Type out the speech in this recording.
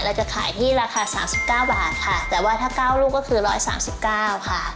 เราจะขายที่ราคา๓๙บาทค่ะแต่ว่าถ้า๙ลูกก็คือ๑๓๙บาทค่ะ